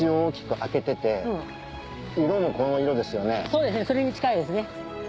それに近いですね。